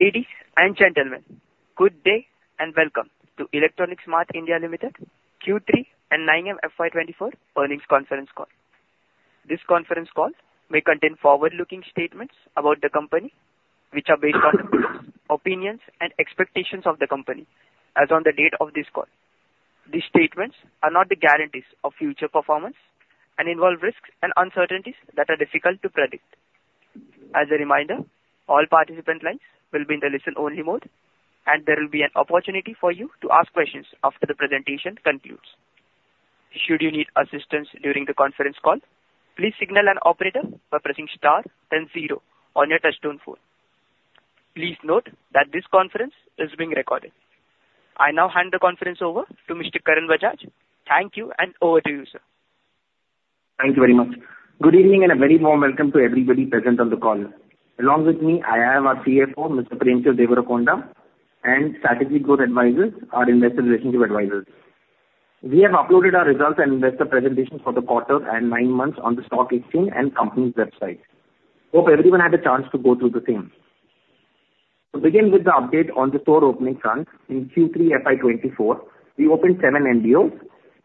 Ladies and gentlemen, good day, and welcome to Electronics Mart India Limited Q3 and 9M FY 2024 Earnings Conference Call. This conference call may contain forward-looking statements about the company, which are based on the opinions and expectations of the company as on the date of this call. These statements are not the guarantees of future performance and involve risks and uncertainties that are difficult to predict. As a reminder, all participant lines will be in the listen-only mode, and there will be an opportunity for you to ask questions after the presentation concludes. Should you need assistance during the conference call, please signal an operator by pressing star then zero on your touchtone phone. Please note that this conference is being recorded. I now hand the conference over to Mr. Karan Bajaj. Thank you, and over to you, sir. Thank you very much. Good evening, and a very warm welcome to everybody present on the call. Along with me, I have our CFO, Mr. Premchand Devarakonda, and Strategy Growth Advisors, our investor relations advisors. We have uploaded our results and investor presentation for the quarter and nine months on the stock exchange and company's website. Hope everyone had a chance to go through the same. To begin with the update on the store opening front, in Q3 FY 2024, we opened 7 MBOs.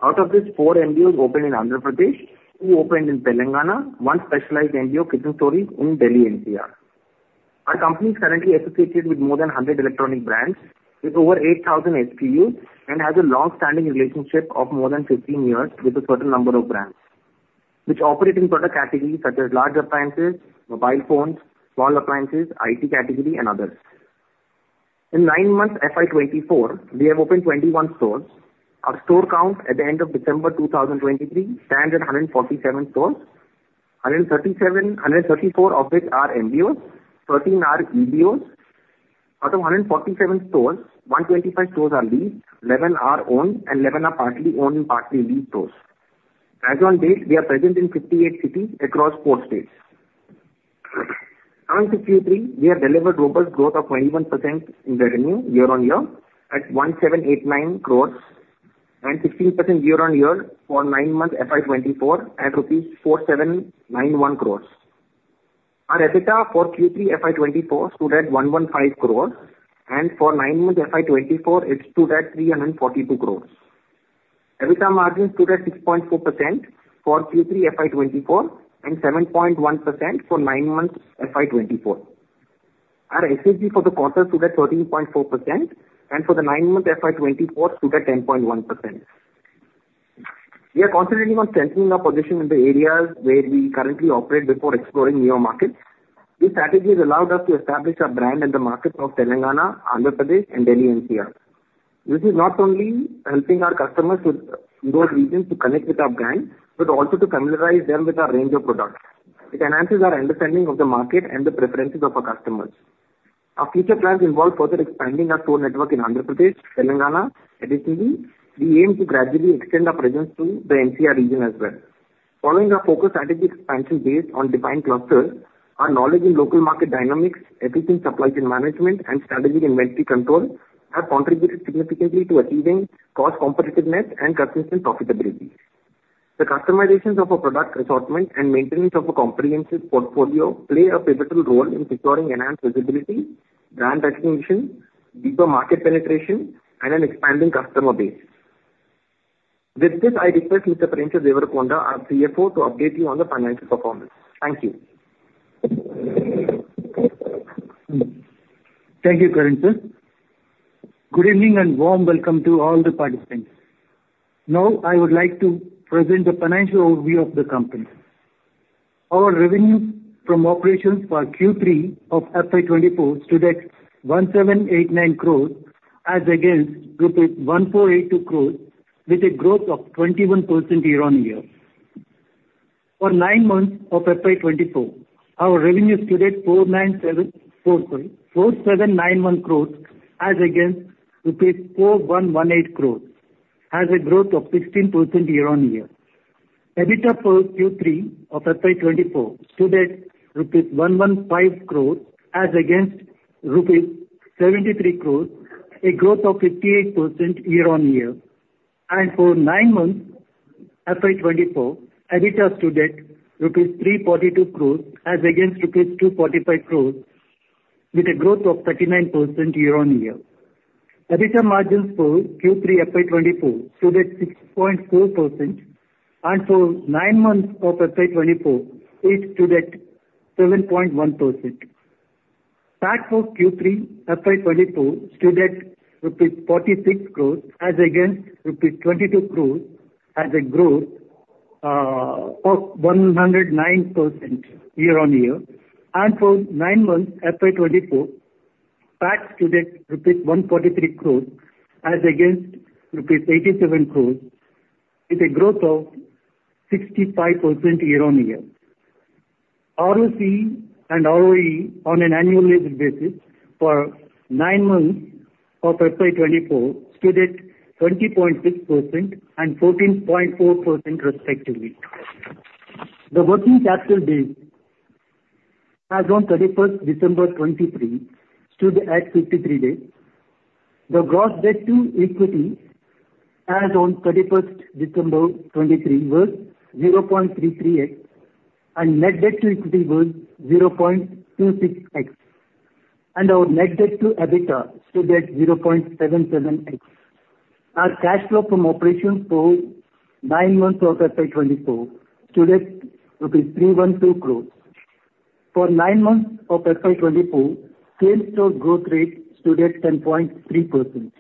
Out of these, 4 MBOs opened in Andhra Pradesh, 2 opened in Telangana, 1 specialized MBO, Kitchen Stories, in Delhi NCR. Our company is currently associated with more than 100 electronic brands, with over 8,000 SKUs, and has a long-standing relationship of more than 15 years with a certain number of brands, which operate in product categories such as large appliances, mobile phones, small appliances, IT category, and others. In 9 months, FY 2024, we have opened 21 stores. Our store count at the end of December 2023 stands at 147 stores. Hundred and thirty-four of which are MBOs, 13 are EBOs. Out of 147 stores, 125 stores are leased, 11 are owned, and 11 are partly owned and partly leased stores. As on date, we are present in 58 cities across 4 states. On Q3, we have delivered robust growth of 21% in the revenue year-on-year at 1,789 crores and 16% year-on-year for nine months FY 2024 at rupees 4,791 crores. Our EBITDA for Q3 FY 2024 stood at 115 crores, and for nine months FY 2024, it stood at 342 crores. EBITDA margin stood at 6.4% for Q3 FY 2024 and 7.1% for nine months FY 2024. Our SG&A for the quarter stood at 13.4%, and for the nine-month FY 2024, stood at 10.1%. We are concentrating on strengthening our position in the areas where we currently operate before exploring newer markets. This strategy has allowed us to establish our brand in the markets of Telangana, Andhra Pradesh, and Delhi NCR. This is not only helping our customers with, in those regions to connect with our brand, but also to familiarize them with our range of products. It enhances our understanding of the market and the preferences of our customers. Our future plans involve further expanding our store network in Andhra Pradesh, Telangana. Additionally, we aim to gradually extend our presence to the NCR region as well. Following our focused strategy expansion based on defined clusters, our knowledge in local market dynamics, efficient supply chain management, and strategic inventory control have contributed significantly to achieving cost competitiveness and consistent profitability. The customizations of our product assortment and maintenance of a comprehensive portfolio play a pivotal role in securing enhanced visibility, brand recognition, deeper market penetration, and an expanding customer base. With this, I request Mr. Premchand Devarakonda, our CFO, to update you on the financial performance. Thank you. Thank you, Karan sir. Good evening, and warm welcome to all the participants. Now, I would like to present the financial overview of the company. Our revenues from operations for Q3 of FY 2024 stood at 1,789 crores, as against 1,482 crores, with a growth of 21% year-on-year. For nine months of FY 2024, our revenues stood at 497, four sorry, 4,791 crores, as against rupees 4,118 crores, as a growth of 16% year-on-year. EBITDA for Q3 of FY 2024 stood at rupees 115 crores, as against rupees 73 crores, a growth of 58% year-on-year. And for nine months, FY 2024, EBITDA stood at rupees 342 crores, as against rupees 245 crores, with a growth of 39% year-on-year. EBITDA margins for Q3 FY 2024 stood at 6.4%, and for nine months of FY 2024, it stood at 7.1%. Tax for Q3 FY 2024 stood at rupees 46 crores, as against rupees 22 crores, as a growth of 109% year-on-year. For nine months, FY 2024, tax stood at rupees 143 crores, as against rupees 87 crores, with a growth of 65% year-on-year. ROCE and ROE on an annualized basis for nine months of FY 2024 stood at 20.6% and 14.4% respectively. The working capital days as on 31 December 2023 stood at 53 days. The gross debt to equity as on 31 December 2023 was 0.33x, and net debt to equity was 0.26x, and our net debt to EBITDA stood at 0.77x. Our cash flow from operations for nine months of FY 2024 stood at INR 312 crore. For nine months of FY 2024, same-store growth rate stood at 10.3%.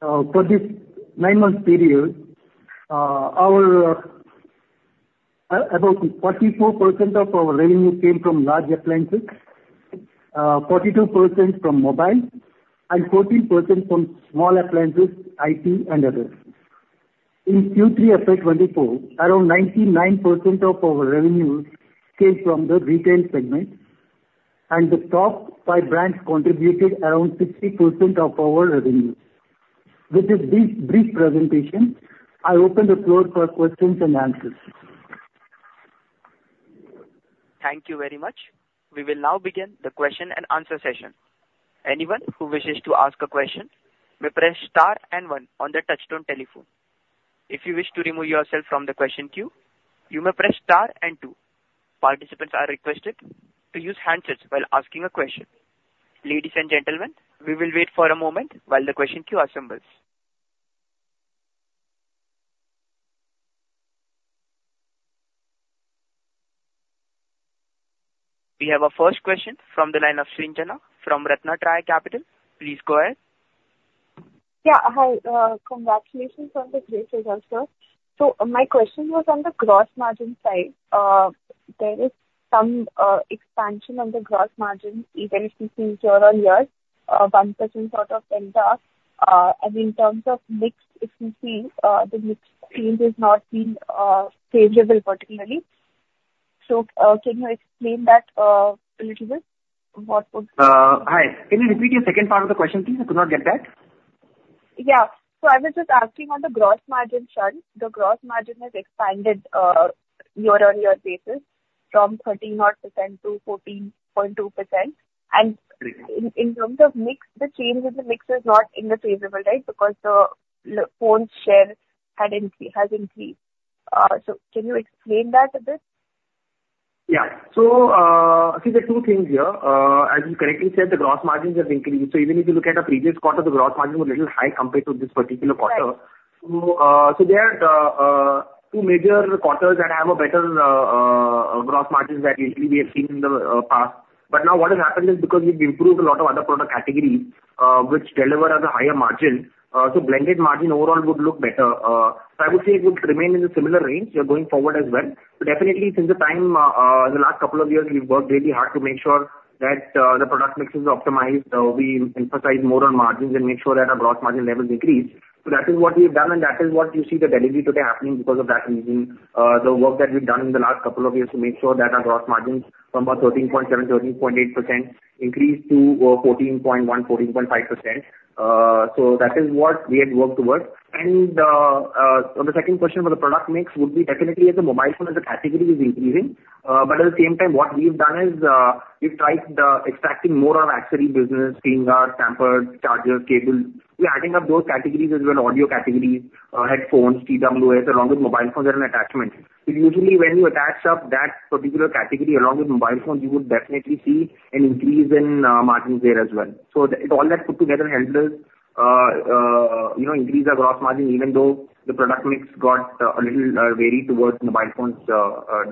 For this nine-month period, our about 44% of our revenue came from large appliances, 42% from mobile, and 14% from small appliances, IT, and others. In Q3 FY 2024, around 99% of our revenues came from the retail segment, and the top five brands contributed around 60% of our revenue. With this brief, brief presentation, I open the floor for questions and answers. Thank you very much. We will now begin the question and answer session. Anyone who wishes to ask a question may press star and one on their touchtone telephone. If you wish to remove yourself from the question queue, you may press star and two. Participants are requested to use handsets while asking a question. Ladies and gentlemen, we will wait for a moment while the question queue assembles. We have our first question from the line of Srujana from Ratnatraya Capital. Please go ahead. Yeah, hi. Congratulations on the great results, sir. So my question was on the gross margin side. There is some expansion on the gross margin, even if you see year-on-year, 1% out of 10. And in terms of mix, if you see, the mix change has not been favorable particularly. So, can you explain that a little bit? What was- Hi. Can you repeat your second part of the question, please? I could not get that. Yeah. So I was just asking on the gross margin front. The gross margin has expanded year-on-year from 13 odd% to 14.2%. And in terms of mix, the change in the mix is not in the favorable, right? Because the iPhone share had increased, has increased. So can you explain that a bit? Yeah. So, I see the two things here. As you correctly said, the gross margins have increased. So even if you look at the previous quarter, the gross margin was a little high compared to this particular quarter. Right. So, there are two major quarters that have a better gross margins than usually we have seen in the past. But now what has happened is because we've improved a lot of other product categories, which deliver at a higher margin, so blended margin overall would look better. So I would say it would remain in a similar range here going forward as well. So definitely since the time in the last couple of years, we've worked really hard to make sure that the product mix is optimized. We emphasize more on margins and make sure that our gross margin levels increase. So that is what we have done, and that is what you see the delivery today happening because of that reason. The work that we've done in the last couple of years to make sure that our gross margins from about 13.7-13.8% increase to 14.1-14.5%. So that is what we had worked towards. And on the second question, for the product mix would be definitely as the mobile phone as a category is increasing. But at the same time, what we've done is, we've tried extracting more on accessory business, screen guards, tempers, chargers, cables. We're adding up those categories as well, audio categories, headphones, TWS, along with mobile phones and attachments. So usually, when you attach up that particular category along with mobile phones, you would definitely see an increase in margins there as well. So it... All that put together helps us, you know, increase our gross margin, even though the product mix got a little varied towards mobile phones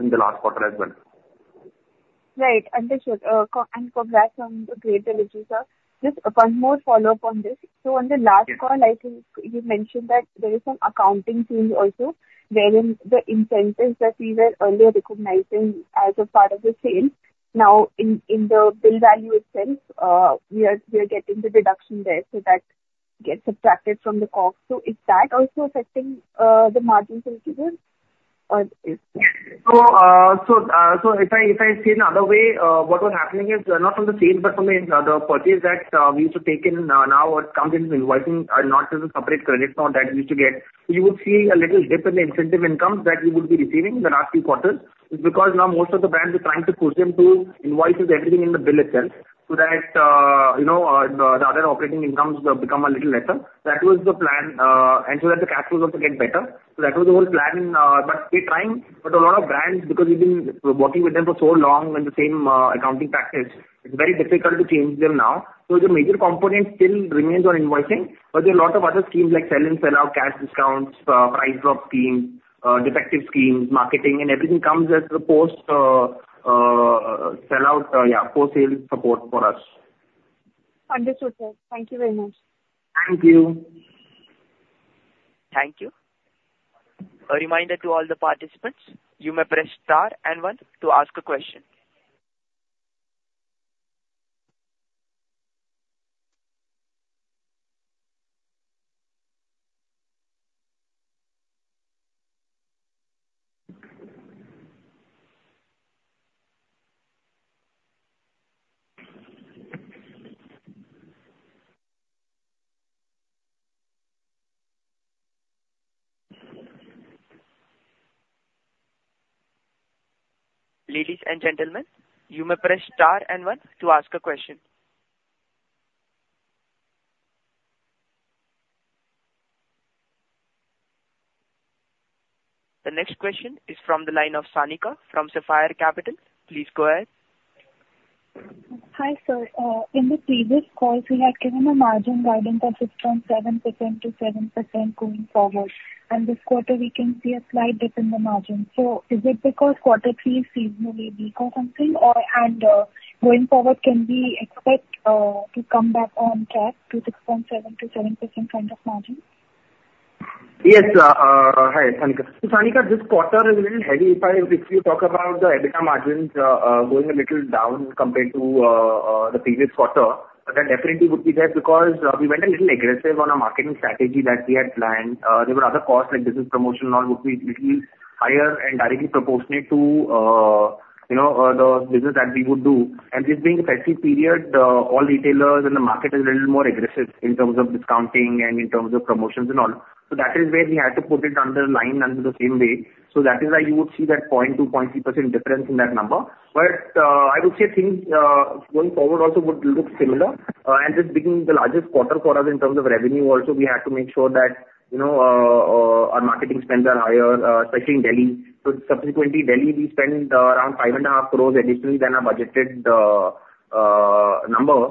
in the last quarter as well. Right. Understood. And congrats on the great delivery, sir. Just one more follow-up on this. Yes. So on the last call, I think you mentioned that there is some accounting change also, wherein the incentives that we were earlier recognizing as a part of the sale, now in the bill value itself, we are getting the deduction there, so that gets subtracted from the cost. So is that also affecting the margins a little bit? Yes. So if I say in another way, what was happening is not from the sales, but from the purchase that we used to take in. Now what comes into invoicing are not as a separate credit, not that we used to get. So you would see a little dip in the incentive income that we would be receiving in the last few quarters. It's because now most of the brands are trying to push them to invoice everything in the bill itself, so that you know, the other operating incomes have become a little lesser. That was the plan, and so that the cash flows also get better. So that was the whole plan. But we're trying, but a lot of brands, because we've been working with them for so long in the same accounting practice, it's very difficult to change them now. So the major component still remains on invoicing, but there are a lot of other schemes like sell-in and sell-out, cash discounts, price drop schemes, defective schemes, marketing, and everything comes as a post sellout, yeah, post-sale support for us. Understood, sir. Thank you very much. Thank you. Thank you. A reminder to all the participants, you may press star and one to ask a question. Ladies and gentlemen, you may press star and one to ask a question. The next question is from the line of Sanika from Sapphire Capital. Please go ahead. Hi, sir. In the previous calls, you had given a margin guidance of 6.7%-7% going forward, and this quarter we can see a slight dip in the margin. So is it because quarter three is seasonally weak or something? Or, going forward, can we expect to come back on track to 6.7%-7% kind of margin? Yes. Hi, Sanika. So, Sanika, this quarter is a little heavy. If I, if you talk about the EBITDA margins, going a little down compared to the previous quarter, that definitely would be there, because we went a little aggressive on our marketing strategy that we had planned. There were other costs, like business promotion and all, would be little higher and directly proportionate to, you know, the business that we would do. And this being a festive period, all retailers in the market are a little more aggressive in terms of discounting and in terms of promotions and all. So that is where we had to put it under line, under the same way. So that is why you would see that 0.2%-0.3% difference in that number. But I would say things going forward also would look similar. And this being the largest quarter for us in terms of revenue, also, we had to make sure that, you know, our marketing spends are higher, especially in Delhi. So subsequently, Delhi, we spent around 5.5 crore additionally than our budgeted number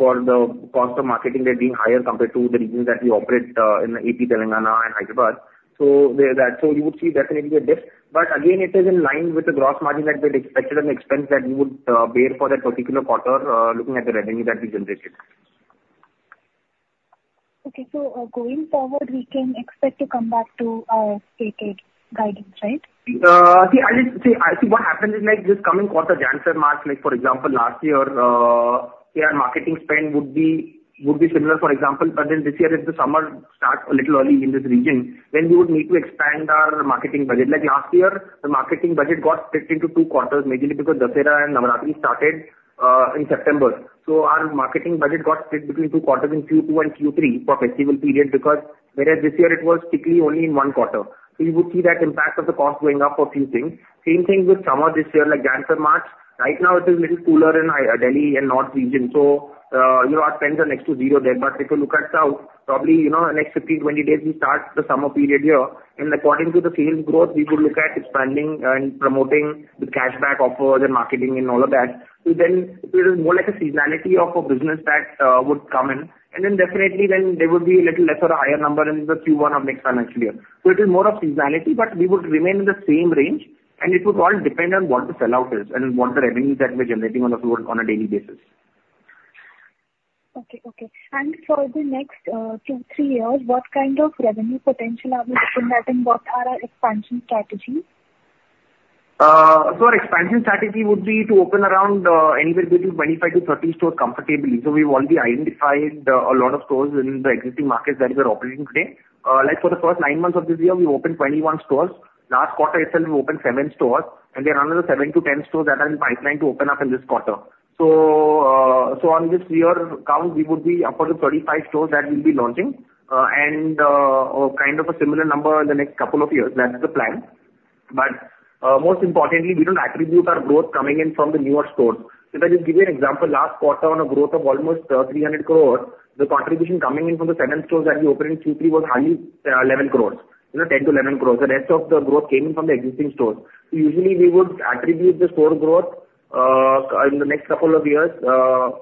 for the cost of marketing that being higher compared to the regions that we operate in AP, Telangana and Hyderabad. So you would see definitely a dip, but again, it is in line with the gross margin that we had expected and the expense that we would bear for that particular quarter looking at the revenue that we generated. Okay. So, going forward, we can expect to come back to stated guidance, right? See, I think what happens is, like, this coming quarter, January, March, like, for example, last year, say, our marketing spend would be similar, for example, but then this year if the summer starts a little early in this region, then we would need to expand our marketing budget. Like last year, the marketing budget got split into two quarters, mainly because Dussehra and Navaratri started in September. So our marketing budget got split between two quarters, in Q2 and Q3 for festival period, because whereas this year it was strictly only in one quarter. So you would see that impact of the cost going up for a few things. Same thing with summer this year, like January, March. Right now it is a little cooler in Delhi and north region, so you know, our spends are next to zero there. But if you look at South, probably you know, next 15, 20 days, we start the summer period here, and according to the sales growth, we could look at expanding and promoting the cashback offers and marketing and all of that. So then it is more like a seasonality of a business that would come in, and then definitely then there would be a little lesser or higher number in the Q1 of next financial year. So it is more of seasonality, but we would remain in the same range, and it would all depend on what the sell-out is and what the revenues that we are generating on a, on a daily basis. Okay. Okay. And for the next 2-3 years, what kind of revenue potential are we looking at and what are our expansion strategies? So our expansion strategy would be to open around, anywhere between 25-30 stores comfortably. So we've already identified, a lot of stores in the existing markets that we are operating today. Like for the first nine months of this year, we opened 21 stores. Last quarter itself, we opened 7 stores, and there are another 7-10 stores that are in pipeline to open up in this quarter. So, so on this year count, we would be up to 35 stores that we'll be launching. And, kind of a similar number in the next couple of years. That's the plan. But, most importantly, we don't attribute our growth coming in from the newer stores. So if I just give you an example, last quarter, on a growth of almost 300 crores, the contribution coming in from the seven stores that we opened in Q3 was hardly 11 crores. You know, 10-11 crores. The rest of the growth came in from the existing stores. So usually we would attribute the store growth in the next couple of years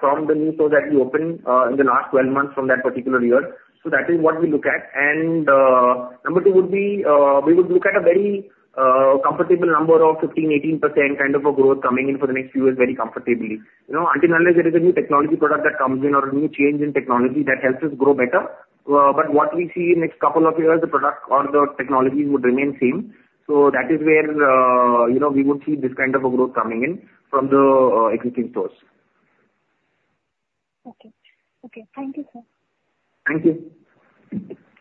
from the new stores that we opened in the last 12 months from that particular year. So that is what we look at. And number two would be we would look at a very comfortable number of 15%-18% kind of a growth coming in for the next few years very comfortably. You know, until unless there is a new technology product that comes in or a new change in technology that helps us grow better, but what we see in next couple of years, the product or the technology would remain same. So that is where, you know, we would see this kind of a growth coming in from the, existing stores. Okay. Okay. Thank you, sir. Thank you.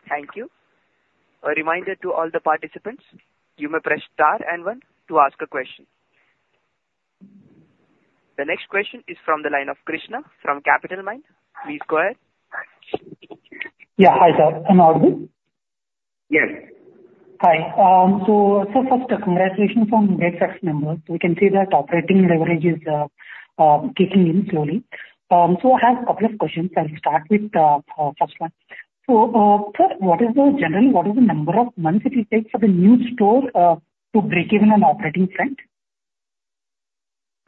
Thank you. A reminder to all the participants, you may press star and one to ask a question. The next question is from the line of Krishna from Capitalmind. Please go ahead. Yeah. Hi, sir. Am I audible? Yes. Hi. So first, congratulations on the great Q4 numbers. We can see that operating leverage is kicking in slowly. So I have a couple of questions. I'll start with first one. So, sir, what is the... Generally, what is the number of months it will take for the new store to break even on operating front?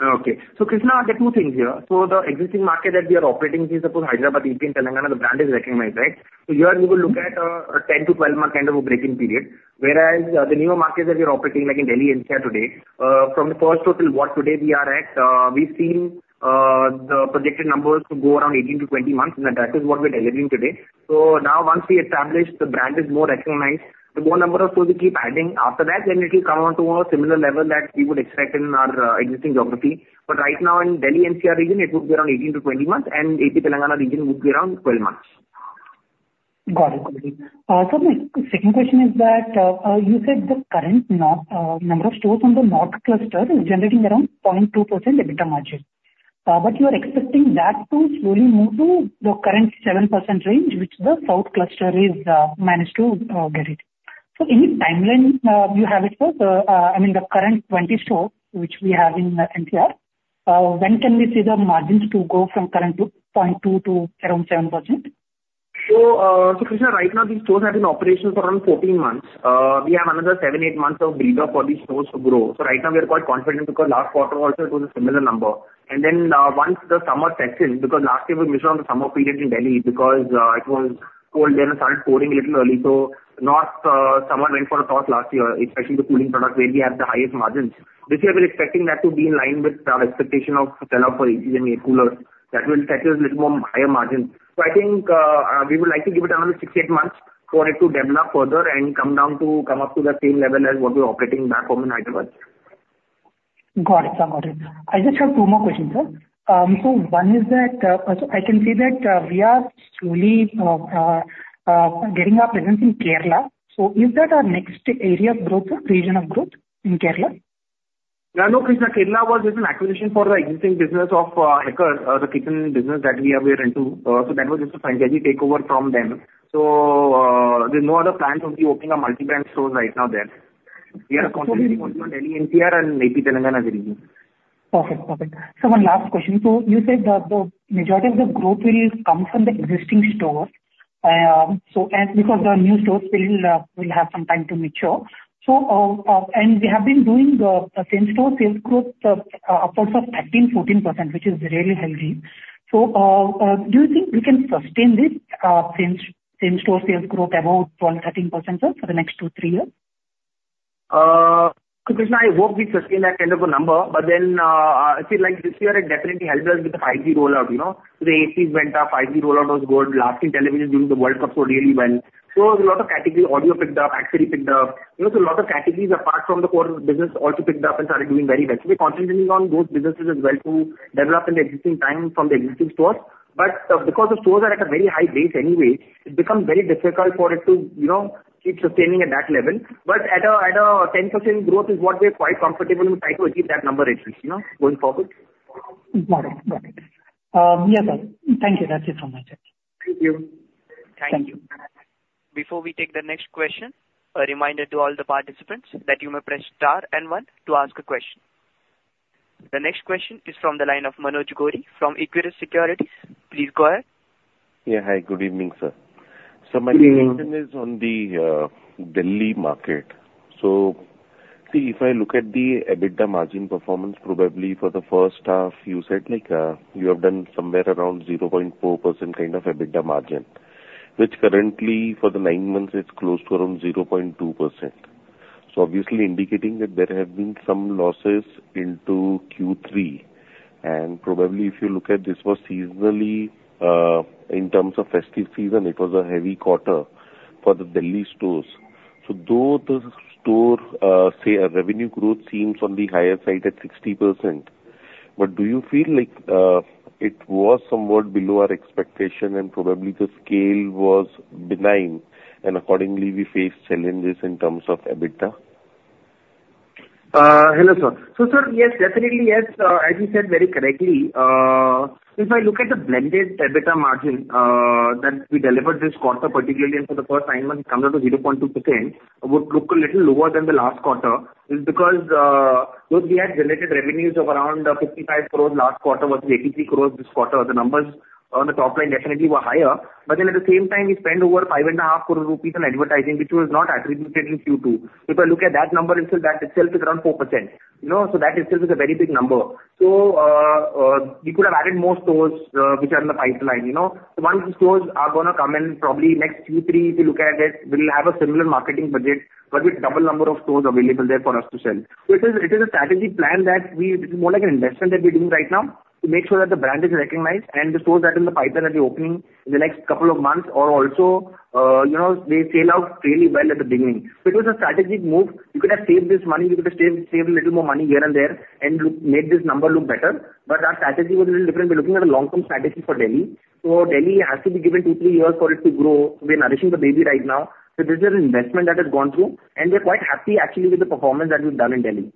Okay. So, Krishna, there are two things here. So the existing market that we are operating in, suppose Hyderabad, AP and Telangana, the brand is recognized, right? So here we will look at, a 10- to 12-month kind of a breaking period. Whereas the newer markets that we are operating, like in Delhi NCR today, from the first store till what today we are at, we've seen, the projected numbers to go around 18- to 20 months, and that is what we're delivering today. So now once we establish, the brand is more recognized, the more number of stores we keep adding. After that, then it will come on to a similar level that we would expect in our existing geography. But right now, in Delhi NCR region, it would be around 18-20 months, and AP Telangana region would be around 12 months. Got it. Got it. Sir, my second question is that you said the current number of stores on the north cluster is generating around 0.2% EBITDA margins. But you are expecting that to slowly move to the current 7% range, which the south cluster is managed to get. So any timeline you have it, sir? I mean, the current 20 stores which we have in NCR, when can we see the margins to go from current to 0.2 to around 7%? So, so Krishna, right now, these stores have been operational for around 14 months. We have another 7-8 months of build-up for these stores to grow. So right now, we are quite confident because last quarter also it was a similar number. And then, once the summer sets in, because last year we missed on the summer period in Delhi because it was cold then, it started pouring a little early. So north summer went for a toss last year, especially the cooling products, where we have the highest margins. This year, we're expecting that to be in line with our expectation of sell-off for ACs and air coolers. That will set us little more higher margins. I think we would like to give it another 6-8 months for it to develop further and come down to, come up to the same level as what we're operating back home in Hyderabad. Got it. I just have two more questions, sir. So one is that, so I can see that, we are slowly getting our presence in Kerala. So is that our next area of growth or region of growth, in Kerala? No, Krishna. Kerala was just an acquisition for the existing business of Häcker, the kitchen business that we are, we are into. So that was just a franchisee takeover from them. So, there's no other plans of opening multi-brand stores right now there. We are concentrating on Delhi NCR and maybe Telangana region. Perfect. Perfect. So one last question. So you said that the majority of the growth will come from the existing stores. So, because the new stores will have some time to mature. So, and we have been doing the same store sales growth of 13%-14%, which is really healthy. So, do you think we can sustain this same store sales growth above 12%-13%, sir, for the next two, three years? Krishna, I hope we sustain that kind of a number. But then, see, like this year, it definitely helped us with the 5G rollout, you know. So the ACs went up, 5G rollout was good. Large screen televisions during the World Cup sold really well. So there was a lot of category. Audio picked up, accessory picked up. You know, so a lot of categories apart from the core business also picked up and started doing very well. So we're concentrating on those businesses as well to develop an existing time from the existing stores. But, because the stores are at a very high base anyway, it becomes very difficult for it to, you know, keep sustaining at that level. But at a ten percent growth is what we're quite comfortable with, try to achieve that number at least, you know, going forward. Got it. Got it. Yeah, sir. Thank you. That's it for myself. Thank you. Thank you. Before we take the next question, a reminder to all the participants that you may press star and one to ask a question. The next question is from the line of Manoj Gori from Equirus Securities. Please go ahead. Yeah. Hi, good evening, sir. Good evening. So my question is on the Delhi market. So see, if I look at the EBITDA margin performance, probably for the first half, you said like, you have done somewhere around 0.4% kind of EBITDA margin. Which currently for the nine months it's close to around 0.2%. So obviously indicating that there have been some losses into Q3. And probably if you look at this was seasonally, in terms of festive season, it was a heavy quarter for the Delhi stores. So though the store, say, a revenue growth seems on the higher side at 60%, but do you feel like, it was somewhat below our expectation and probably the scale was benign, and accordingly we faced challenges in terms of EBITDA? Hello, sir. So, sir, yes, definitely, yes. As you said very correctly, if I look at the blended EBITDA margin that we delivered this quarter, particularly into the first nine months, it comes up to 0.2%, would look a little lower than the last quarter, is because, though we had generated revenues of around 55 crore last quarter versus 83 crore this quarter, the numbers on the top line definitely were higher. But then at the same time, we spent over 5.5 crore rupees on advertising, which was not attributed in Q2. If I look at that number, instead, that itself is around 4%. You know, so that itself is a very big number. So, we could have added more stores, which are in the pipeline, you know. So once the stores are gonna come in, probably next Q3, if you look at it, we'll have a similar marketing budget, but with double number of stores available there for us to sell. So it is, it is a strategic plan that we... It's more like an investment that we're doing right now, to make sure that the brand is recognized and the stores that are in the pipeline are opening in the next couple of months are also, you know, they sell out fairly well at the beginning. Because a strategic move, you could have saved this money, you could have saved, saved a little more money here and there, and make this number look better. But our strategy was a little different. We're looking at a long-term strategy for Delhi. So Delhi has to be given 2, 3 years for it to grow. We're nourishing the baby right now. This is an investment that has gone through, and we're quite happy actually with the performance that we've done in Delhi.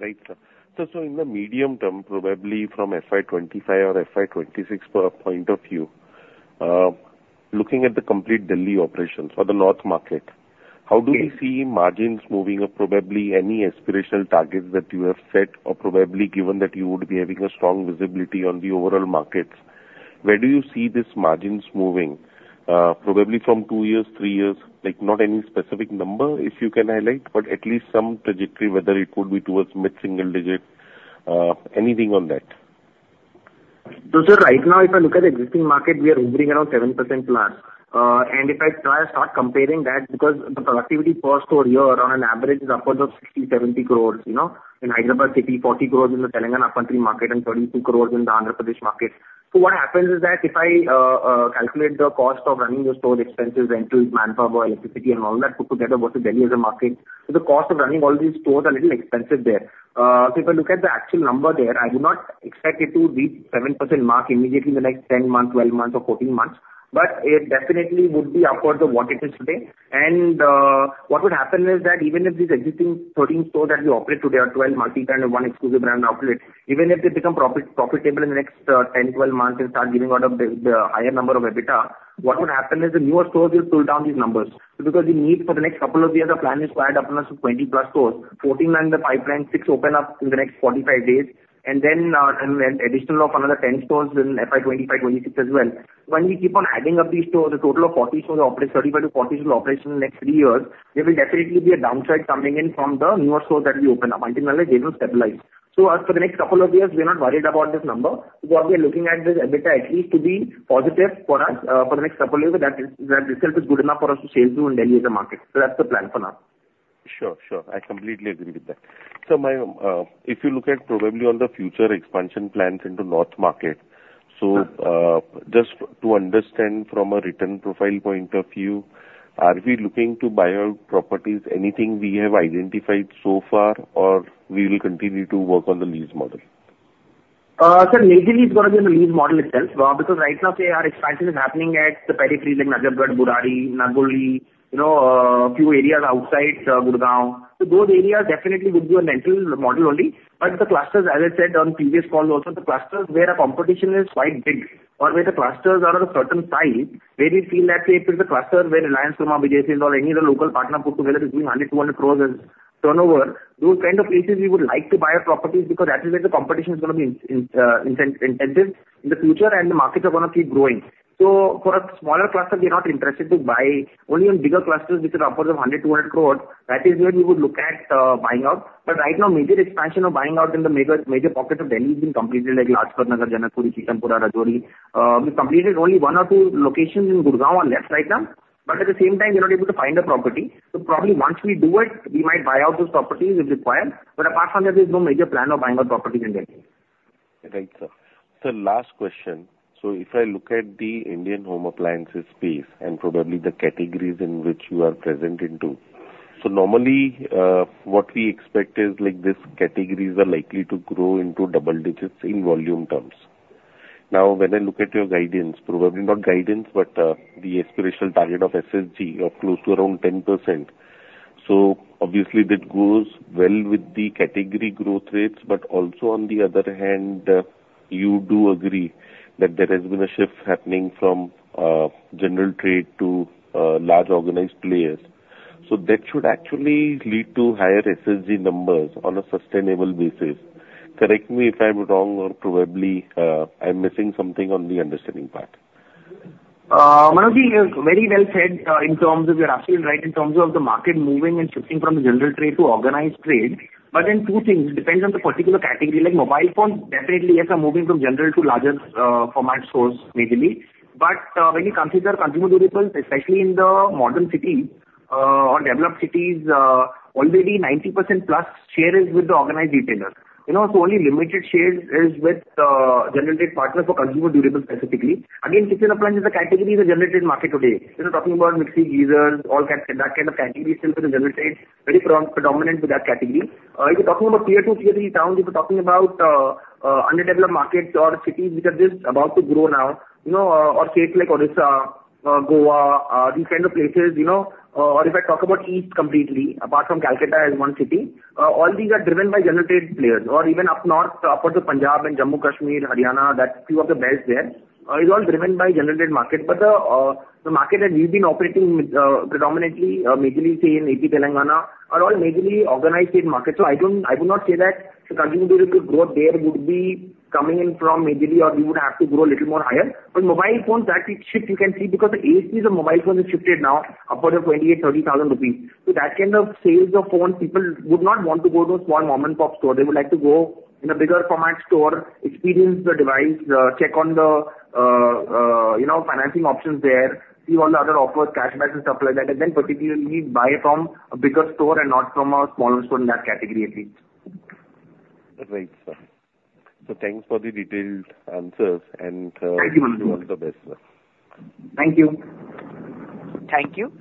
Right, sir. So, so in the medium term, probably from FY 2025 or FY 2026 point of view, looking at the complete Delhi operations or the north market- Yes. How do you see margins moving up, probably any aspirational targets that you have set or probably given that you would be having a strong visibility on the overall markets? Where do you see these margins moving? Probably from two years, three years, like, not any specific number, if you can highlight, but at least some trajectory, whether it could be towards mid-single digit, anything on that?... So, sir, right now, if I look at the existing market, we are hovering around 7%+. And if I try to start comparing that, because the productivity per store year on an average is upwards of 60-70 crores, you know. In Hyderabad city, 40 crores in the Telangana upper market, and 32 crores in the Andhra Pradesh market. So what happens is that if I calculate the cost of running the store expenses, rentals, manpower or electricity and all that put together versus Delhi as a market, so the cost of running all these stores are a little expensive there. So if I look at the actual number there, I do not expect it to reach 7% mark immediately in the next 10 months, 12 months or 14 months, but it definitely would be upwards of what it is today. What would happen is that even if these existing 13 stores that we operate today, or 12 multi-brand and 1 exclusive brand operate, even if they become profit, profitable in the next 10, 12 months and start giving out of the, the higher number of EBITDA, what would happen is the newer stores will pull down these numbers. Because the need for the next couple of years, the plan is to add up almost to 20+ stores. 14 under Bajaj brand, 6 open up in the next 45 days, and then, an additional of another 10 stores in FY 2025, 2026 as well. When we keep on adding up these stores, a total of 40 stores operating, 35-40 stores operational in the next 3 years, there will definitely be a downside coming in from the newer stores that we open up, until and unless they don't stabilize. So as for the next couple of years, we are not worried about this number. So what we are looking at is EBITDA at least to be positive for us, for the next couple of years. That is, that itself is good enough for us to stay through in Delhi as a market. So that's the plan for now. Sure, sure. I completely agree with that. So my, if you look at probably on the future expansion plans into north market, so, just to understand from a return profile point of view, are we looking to buy out properties? Anything we have identified so far, or we will continue to work on the lease model? So majorly it's gonna be in the lease model itself, because right now, say, our expansion is happening at the periphery like Najafgarh, Burari, Nangloi, you know, a few areas outside Gurgaon. So those areas definitely would be a rental model only. But the clusters, as I said on previous calls also, the clusters where our competition is quite big or where the clusters are of a certain size, where we feel that say if it's a cluster where Reliance or Vijay Sales or any other local partner put together is doing 100 crore-200 crore in turnover, those kind of places we would like to buy our properties, because that is where the competition is gonna be in intensive in the future, and the markets are gonna keep growing. So for a smaller cluster, we are not interested to buy. Only in bigger clusters, which are upwards of 100, 200 crores, that is where we would look at buying out. But right now, major expansion of buying out in the major, major pockets of Delhi has been completed, like Lajpat Nagar, Janakpuri, Chittaranjan Park, Rajouri. We completed only 1 or 2 locations in Gurgaon on lease right now, but at the same time, we're not able to find a property. So probably once we do it, we might buy out those properties if required, but apart from that, there's no major plan of buying out properties in Delhi. Right, sir. Sir, last question: so if I look at the Indian home appliances space and probably the categories in which you are present in, too, so normally, what we expect is like, these categories are likely to grow in double digits in volume terms. Now, when I look at your guidance, probably not guidance, but, the aspirational target of SSG of close to around 10%, so obviously that goes well with the category growth rates, but also on the other hand, you do agree that there has been a shift happening from, general trade to, large organized players. So that should actually lead to higher SSG numbers on a sustainable basis. Correct me if I'm wrong or probably, I'm missing something on the understanding part. Manoj ji, very well said, in terms of... You're absolutely right, in terms of the market moving and shifting from general trade to organized trade. But then 2 things, it depends on the particular category. Like mobile phone, definitely, yes, are moving from general to larger, format stores majorly. But, when you consider consumer durables, especially in the modern cities, or developed cities, already 90%+ share is with the organized retailers. You know, so only limited shares is with, general partners for consumer durables specifically. Again, kitchen appliances as a category is a general market today. We are talking about mixie, geysers, all kind, that kind of category still is in general, very predominant with that category. If you're talking about tier two, tier three towns, we're talking about underdeveloped markets or cities which are just about to grow now, you know, or states like Odisha, Goa, these kind of places, you know. Or if I talk about the East completely, apart from Kolkata as one city, all these are driven by unorganized players. Or even up north, upwards of Punjab and Jammu, Kashmir, Haryana, that few of the best there is all driven by unorganized market. But the market that we've been operating, predominantly, majorly say in AP, Telangana, are all majorly organized state markets. So I don't, I would not say that the consumer durable growth there would be coming in from majorly, or we would have to grow a little more higher. But mobile phones, that is shift you can see because the ASPs of mobile phones has shifted now upwards of 28,000-30,000 rupees. So that kind of sales of phones, people would not want to go to a small mom-and-pop store. They would like to go in a bigger format store, experience the device, check on the, you know, financing options there, see all the other offers, cashbacks and stuff like that, and then particularly buy from a bigger store and not from a smaller store in that category, at least. Right, sir. Thanks for the detailed answers and, Thank you, Manoj ji. All the best, sir. Thank you. Thank you.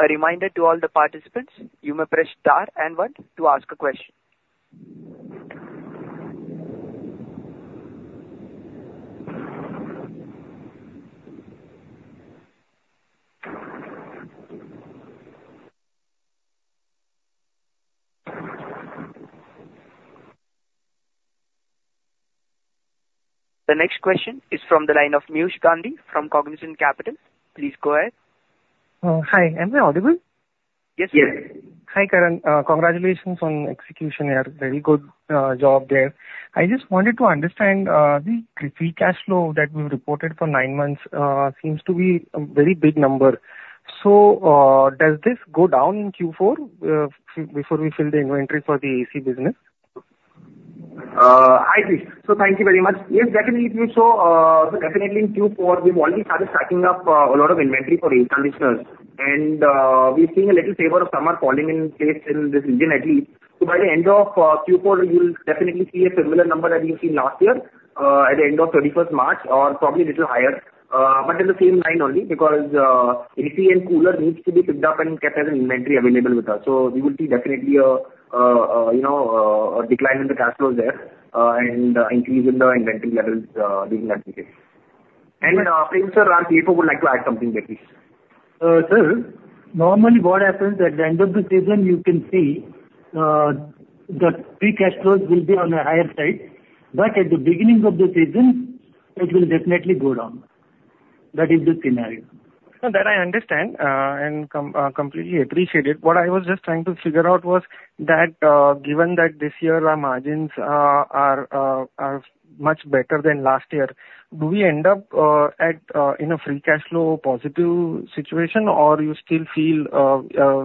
A reminder to all the participants, you may press star and 1 to ask a question. The next question is from the line of Neil or Piyush Gandhi from Kovill Capital. Please go ahead. Hi, am I audible? Yes. Hi, Karan. Congratulations on execution here. Very good job there. I just wanted to understand the free cash flow that we've reported for nine months seems to be a very big number.... So, does this go down in Q4 before we fill the inventory for the AC business? I see. So thank you very much. Yes, definitely, so definitely in Q4, we've already started stocking up a lot of inventory for air conditioners. And we're seeing a little fervor of summer falling in place in this region at least. So by the end of Q4, you'll definitely see a similar number that we've seen last year at the end of thirty-first March, or probably a little higher. But in the same line only because AC and cooler needs to be picked up and kept as an inventory available with us. So we will see definitely a you know a decline in the cash flows there and increase in the inventory levels being maintained. And Premchand or Ram sir would like to add something there, please. Sir, normally what happens, at the end of the season, you can see, the free cash flows will be on a higher side. But at the beginning of the season, it will definitely go down. That is the scenario. No, that I understand, and completely appreciate it. What I was just trying to figure out was that, given that this year our margins are much better than last year, do we end up in a free cash flow positive situation, or you still feel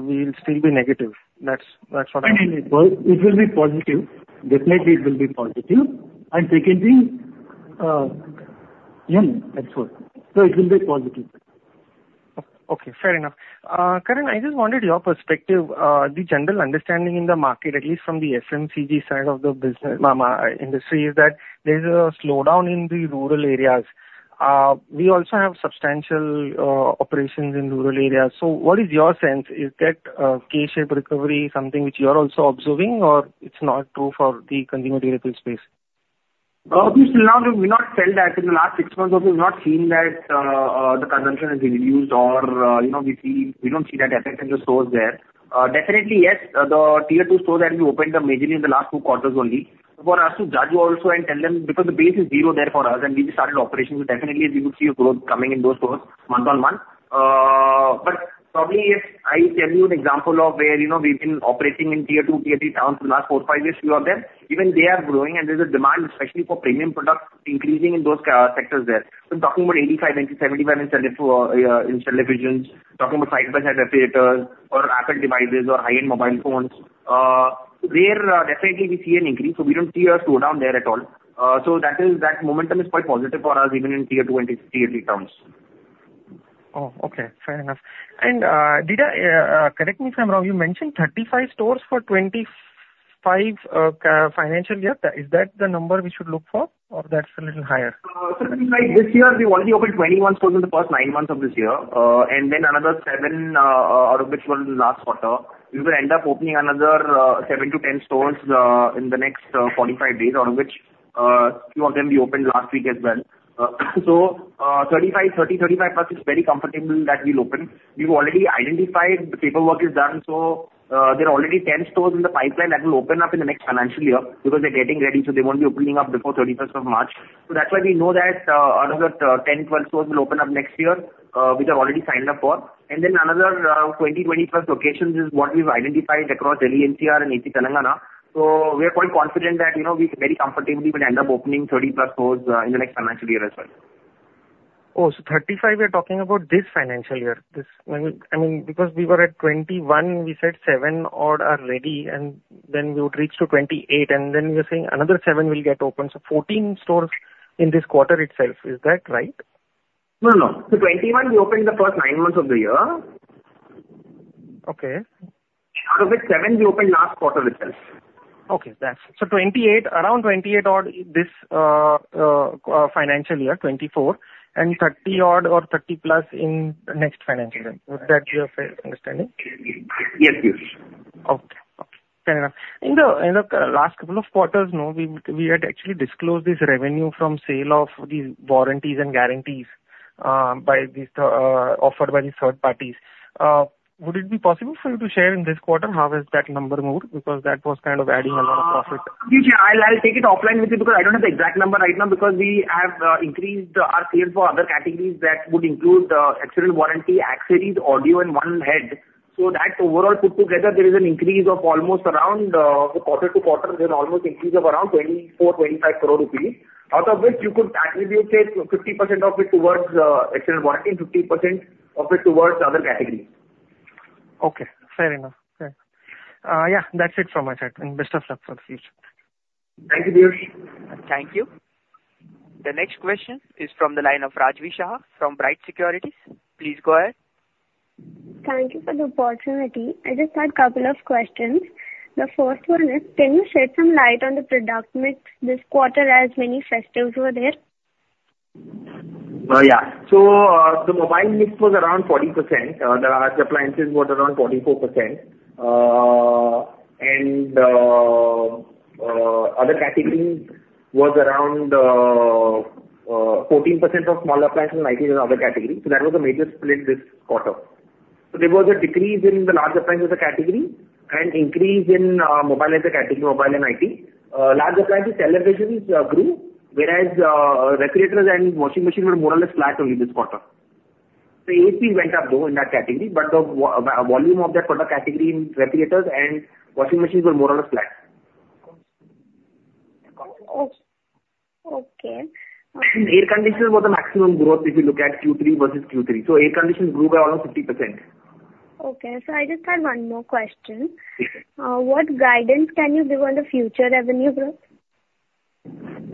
we'll still be negative? That's what I mean. It will be positive. Definitely, it will be positive. And secondly, yeah, that's all. So it will be positive. Okay, fair enough. Karan, I just wanted your perspective. The general understanding in the market, at least from the FMCG side of the business, industry, is that there's a slowdown in the rural areas. We also have substantial operations in rural areas. So what is your sense? Is that K-shaped recovery something which you are also observing, or it's not true for the consumer durable space? We still have, we've not felt that. In the last six months out, we've not seen that, the consumption has reduced or, you know, we don't see that effect in the stores there. Definitely, yes, the tier two stores that we opened are majorly in the last two quarters only. So for us to judge also and tell them, because the base is zero there for us, and we've started operations, so definitely we would see a growth coming in those stores month-on-month. But probably, if I tell you an example of where, you know, we've been operating in tier two, tier three towns for the last four, five years, few of them, even they are growing and there's a demand, especially for premium products, increasing in those sectors there. We're talking about 85, 90, 75 inch, inch televisions, talking about side-by-side refrigerators or Apple devices or high-end mobile phones. There, definitely we see an increase, so we don't see a slowdown there at all. So that is, that momentum is quite positive for us, even in tier 2 and tier 3 towns. Oh, okay. Fair enough. And, correct me if I'm wrong, you mentioned 35 stores for 25 financial year. Is that the number we should look for, or that's a little higher? Something like this year, we only opened 21 stores in the first nine months of this year. And then another 7, out of which were in the last quarter. We will end up opening another 7-10 stores in the next 45 days, out of which few of them we opened last week as well. So, 35, 30, 35 plus is very comfortable that we'll open. We've already identified, the paperwork is done, so there are already 10 stores in the pipeline that will open up in the next financial year, because they're getting ready, so they won't be opening up before 31st of March. So that's why we know that another 10-12 stores will open up next year, which are already signed up for. Then another 20, 21st locations is what we've identified across Delhi NCR and AP, Telangana. We are quite confident that, you know, we very comfortably will end up opening 30+ stores in the next financial year as well. Oh, so 35, we are talking about this financial year. This, I mean, I mean, because we were at 21, we said 7 odd are ready, and then we would reach to 28, and then you're saying another 7 will get opened. So 14 stores in this quarter itself. Is that right? No, no. So 21, we opened the first 9 months of the year. Okay. Out of which seven, we opened last quarter itself. Okay, that's... So 28, around 28 odd, this financial year, 2024, and 30 odd or 30 plus in next financial year. Is that your understanding? Yes, yes. Okay. Okay, fair enough. In the last couple of quarters, we had actually disclosed this revenue from sale of the warranties and guarantees offered by the third parties. Would it be possible for you to share in this quarter, how has that number moved? Because that was kind of adding a lot of profit. I'll take it offline with you, because I don't have the exact number right now, because we have increased our sales for other categories that would include extended warranty, accessories, audio and headphones. So that overall put together, there is an increase of almost around quarter-over-quarter, there's almost increase of around 24-25 crore rupees, out of which you could attribute it, 50% of it towards extended warranty, 50% of it towards other categories. Okay, fair enough. Fair. Yeah, that's it from my side, and best of luck for the future. Thank you, Neil. Thank you. The next question is from the line of Rajvi Shah from Bright Securities. Please go ahead. Thank you for the opportunity. I just had couple of questions. The first one is, can you shed some light on the product mix this quarter, as many festivals were there? Yeah. So, the mobile mix was around 40%, the large appliances were around 44%. Other categories was around 14% of small appliances and IT and other category. So that was a major split this quarter. So there was a decrease in the large appliances category and increase in mobile as a category, mobile and IT. Large appliances, televisions, grew, whereas refrigerators and washing machines were more or less flat only this quarter. The AC went up, though, in that category, but the volume of that product category in refrigerators and washing machines were more or less flat. Oh, okay. Air conditioners were the maximum growth, if you look at Q3 versus Q3. So air conditioners grew by around 50%. Okay, so I just had one more question. Yes. What guidance can you give on the future revenue growth?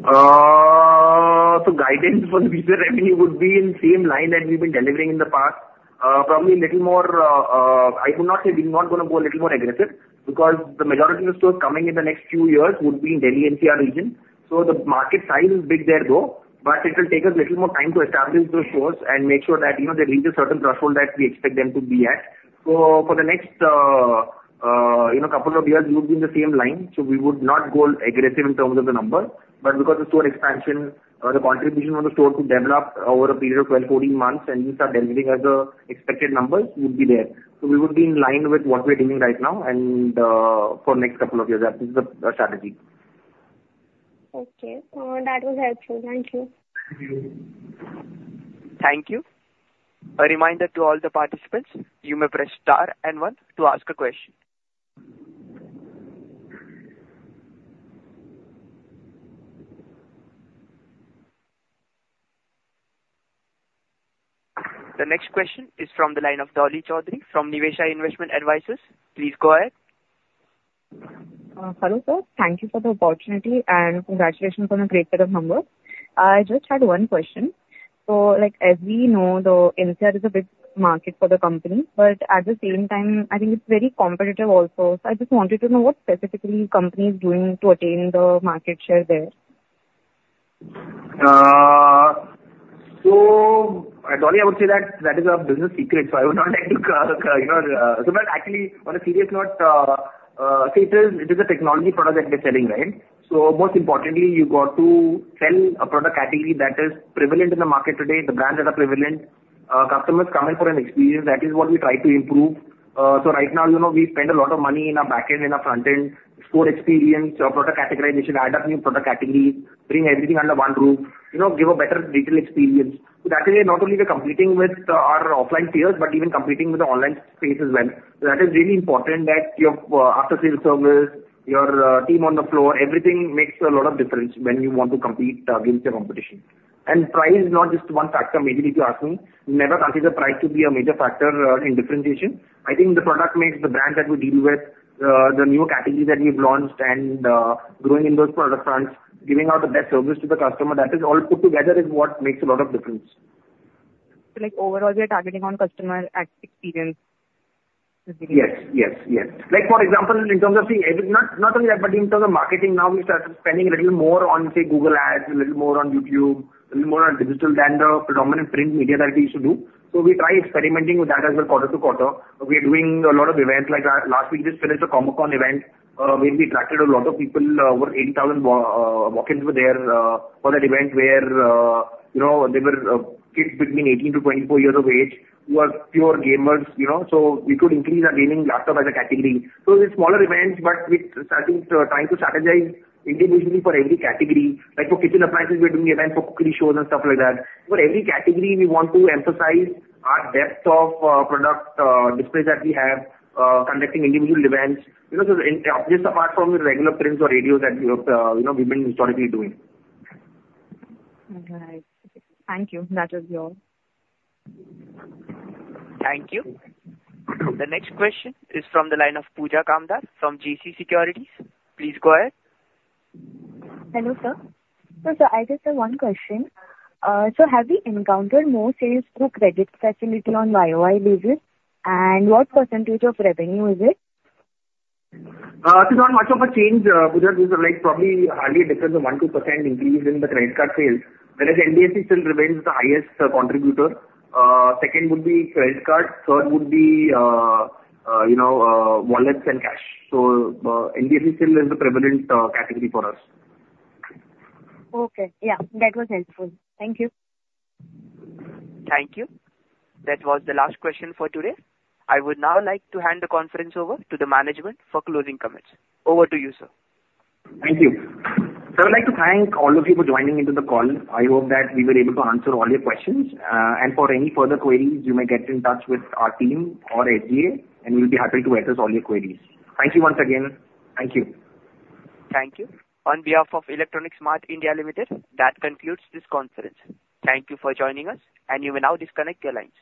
So guidance for the future revenue would be in same line that we've been delivering in the past. Probably a little more, I could not say we're not gonna go a little more aggressive, because the majority of the stores coming in the next few years would be in Delhi NCR region. So the market size is big there though, but it will take us a little more time to establish those stores and make sure that, you know, they reach a certain threshold that we expect them to be at. So for the next, you know, couple of years, we would be in the same line, so we would not go aggressive in terms of the number. But because the store expansion, the contribution on the store to develop over a period of 12, 14 months, and we start delivering as the expected numbers would be there. So we would be in line with what we're doing right now, and for next couple of years, that is the strategy. Okay, that was helpful. Thank you. Thank you. Thank you. A reminder to all the participants, you may press star and one to ask a question. The next question is from the line of Dolly Choudhary from Niveshaay Investment Advisors. Please go ahead. Hello, sir. Thank you for the opportunity, and congratulations on a great set of numbers. I just had one question: so, like, as we know, the NCR is a big market for the company, but at the same time, I think it's very competitive also. So I just wanted to know what specifically company is doing to attain the market share there? So, Dolly, I would say that that is our business secret, so I would not like to, you know... But actually, on a serious note, see, it is a technology product that we're selling, right? So most importantly, you got to sell a product category that is prevalent in the market today, the brands that are prevalent. Customers come in for an experience, that is what we try to improve. So right now, you know, we spend a lot of money in our back end and our front end, store experience, product categorization, add up new product categories, bring everything under one roof. You know, give a better retail experience. So that way, not only we are competing with our offline peers, but even competing with the online space as well. So that is really important, that your after-sales service, your team on the floor, everything makes a lot of difference when you want to compete against your competition. And price is not just one factor majorly, if you ask me. Never consider price to be a major factor in differentiation. I think the product mix, the brand that we deal with, the new categories that we've launched and growing in those product fronts, giving out the best service to the customer, that is all put together is what makes a lot of difference. Like, overall, you're targeting on customer experience? Yes, yes, yes. Like, for example, in terms of, see, it's not, not only that, but in terms of marketing now, we started spending a little more on, say, Google Ads, a little more on YouTube, a little more on digital than the predominant print media that we used to do. So we try experimenting with that as well, quarter to quarter. We are doing a lot of events. Like, last week, we just finished a Comic Con event, where we attracted a lot of people. Over 8,000 walk-ins were there for that event, where, you know, there were kids between 18-24 years of age who are pure gamers, you know, so we could increase our gaming laptop as a category. So it's smaller events, but we're trying to strategize individually for every category. Like for kitchen appliances, we're doing events for cookery shows and stuff like that. For every category, we want to emphasize our depth of product displays that we have, conducting individual events, you know, so in just apart from the regular prints or radios that you know, we've been historically doing. Right. Thank you. That is all. Thank you. The next question is from the line of Pooja Kamdar from Geojit Securities. Please go ahead. Hello, sir. Sir, I just have one question. Have you encountered more sales through credit facility on YoY basis, and what percentage of revenue is it? It's not much of a change, Pooja. These are, like, probably hardly a difference of 1%-2% increase in the credit card sales, whereas NBFC still remains the highest contributor. Second would be credit card, third would be, you know, wallets and cash. So, NBFC still is the prevalent category for us. Okay. Yeah, that was helpful. Thank you. Thank you. That was the last question for today. I would now like to hand the conference over to the management for closing comments. Over to you, sir. Thank you. So I would like to thank all of you for joining into the call. I hope that we were able to answer all your questions. And for any further queries, you may get in touch with our team or SGA, and we'll be happy to address all your queries. Thank you once again. Thank you. Thank you. On behalf of Electronics Mart India Limited, that concludes this conference. Thank you for joining us, and you may now disconnect your lines.